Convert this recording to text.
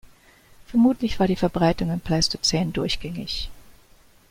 Vermutlich war die Verbreitung im Pleistozän durchgängig.